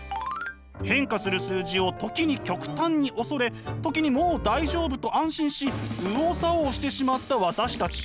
変化する数字を時に極端に恐れ時にもう大丈夫と安心し右往左往してしまった私たち。